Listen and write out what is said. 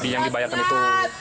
yang dibayarkan itu